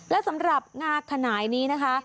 และสำหรับงาขนายนี้นะคะ